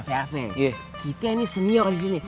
javan kita ini senior disini